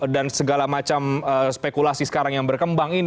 dan segala macam spekulasi sekarang yang berkembang ini